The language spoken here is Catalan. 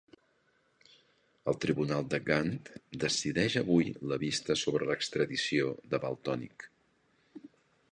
El tribunal de Gant decideix avui la vista sobre l'extradició de Valtònyc.